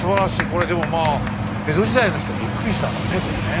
これでもまあ江戸時代の人びっくりしたろうねこれね。